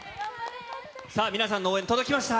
さあ、皆さんの応援届きました。